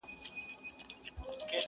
بحث لا هم دوام لري تل